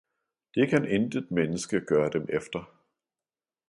det kan intet menneske gøre Dem efter!